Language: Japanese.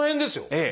ええ。